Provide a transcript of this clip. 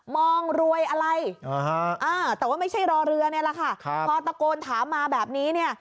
องรวยอะไรแต่ว่าไม่ใช่รอเรือนี่แหละค่ะพอตะโกนถามมาแบบนี้เนี่ย